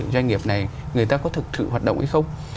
doanh nghiệp này người ta có thực sự hoạt động hay không